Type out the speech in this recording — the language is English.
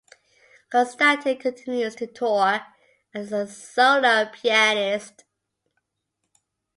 Constanten continues to tour as a solo pianist.